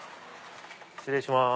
失礼します。